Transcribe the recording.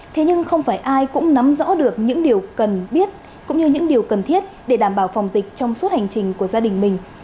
thế nhưng không phải ai cũng nắm rõ được những điều cần biết cũng như những điều cần thiết để đảm bảo phòng dịch trong suốt hành trình của gia đình mình